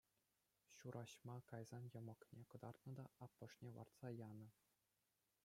Ҫураҫма кайсан йӑмӑкне кӑтартнӑ та аппӑшне лартса янӑ.